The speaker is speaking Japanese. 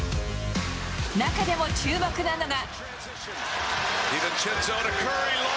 中でも注目なのが。